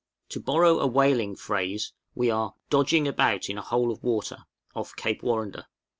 _ To borrow a whaling phrase, we are "dodging about in a hole of water" off Cape Warrender.